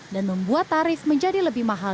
dan membuat tarif menjadi lebih mahal